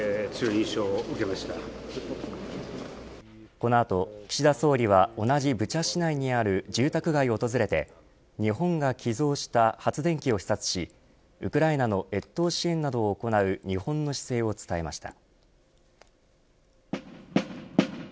この後、岸田総理は同じブチャ市内にある住宅街を訪れて日本が寄贈した発電機を視察しウクライナの越冬支援などを行う日本の姿勢を伝えました。